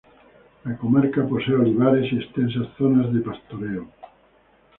La comarca posee olivares y extensas zonas de pastoreo.